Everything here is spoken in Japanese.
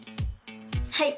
はい！